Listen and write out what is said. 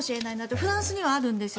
フランスにはあるんですよ。